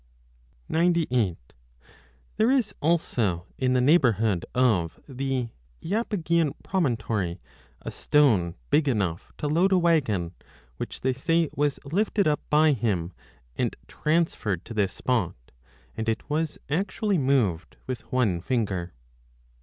)8 There is also in the neighbourhood of the lapygian promontory a stone big enough to load a waggon, which 838 b they say was lifted up by him 1 and transferred to this spot, and it was actually moved with one ringer.